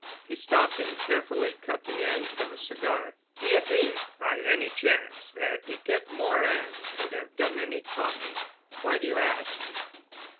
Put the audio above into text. He stopped and carefully cut the end from a cigar. "D'ye think, by any chance, that Piquette Morin could have done any talking?" "Why do you ask?"